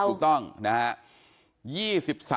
ถูกต้องนะครับ